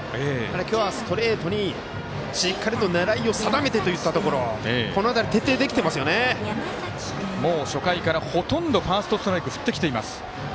今日はストレートにしっかりと狙いを定めてといったところ初回からほとんどファーストストライク振ってきています。